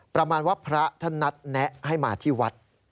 ประมาณว่าพระท่านนัดแนะให้มาที่วัด